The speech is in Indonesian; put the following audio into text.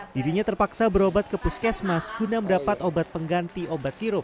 dirinya terpaksa berobat ke puskesmas guna mendapat obat pengganti obat sirup